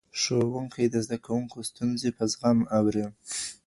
ښوونکی د زدهکوونکو ستونزې په زغم اوري.